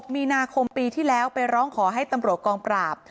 มีนาคมปีที่แล้วไปร้องขอให้ตำรวจกองปราบ